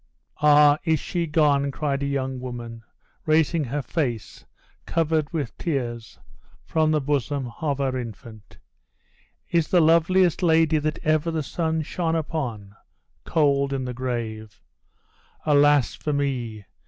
"Ah! is she gone?" cried a young woman, raising her face, covered with tears, from the bosom of her infant; "is the loveliest lady that ever the sun shone upon, cold in the grave? Alas, for me!